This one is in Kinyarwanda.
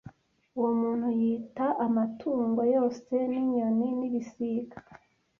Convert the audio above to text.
Uwo muntu yita amatungo yose n’inyoni n’ibisiga